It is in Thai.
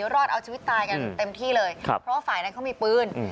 รอดเอาชีวิตตายกันเต็มที่เลยครับเพราะว่าฝ่ายนั้นเขามีปืน